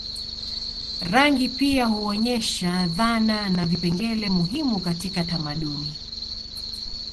Rangi pia huonyesha dhana na vipengele muhimu katika tamaduni